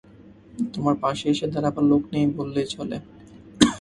তোমার পাশে এসে দাঁড়াবার লোক নেই বললেই চলে।